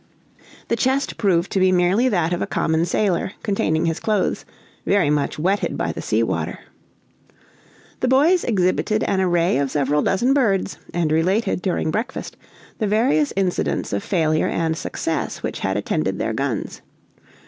The chest proved to be merely that of a common sailor, containing his clothes, very much wetted by the sea water. The boys exhibited an array of several dozen birds, and related, during breakfast, the various incidents of failure and success which had attended their guns.